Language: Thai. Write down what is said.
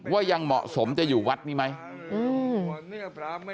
ว่ายังเหมาะสมจะอยู่วัดนี้ไหม